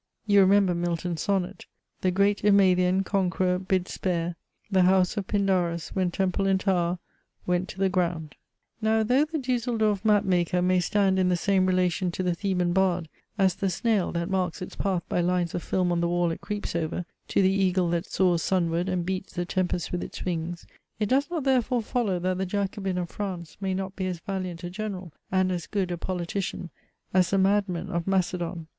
You remember Milton's sonnet "The great Emathian conqueror bid spare The house of Pindarus when temple and tower Went to the ground" Now though the Duesseldorf map maker may stand in the same relation to the Theban bard, as the snail, that marks its path by lines of film on the wall it creeps over, to the eagle that soars sunward and beats the tempest with its wings; it does not therefore follow, that the Jacobin of France may not be as valiant a general and as good a politician, as the madman of Macedon.